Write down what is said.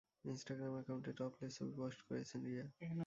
Instagram অ্যাকাউন্টে topless ছবি post করেছেন রিয়া।